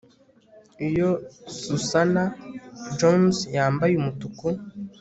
iyo susanna jones yambaye umutuku